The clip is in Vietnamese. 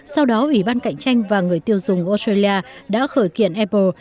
sau đó ủy ban cạnh tranh và người tiêu dùng australia đã khởi kiện apple